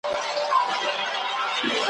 له پسونو تر هوسیو تر غوایانو ,